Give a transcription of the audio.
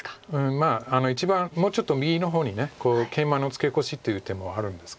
まあ一番もうちょっと右の方にケイマのツケコシっていう手もあるんですけど。